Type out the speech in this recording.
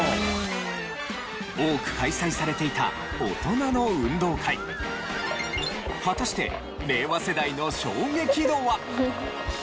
多く開催されていた果たして令和世代の衝撃度は？